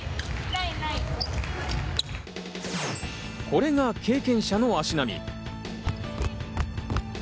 これが経験者の足並み。